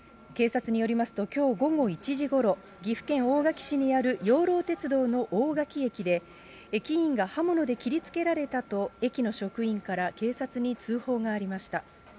警察によりますと、きょう午後１時ごろ、岐阜県大垣市にある養老鉄道の大垣駅で、駅員が刃物で切りつけられたと、駅の職員から警察に通報がありました。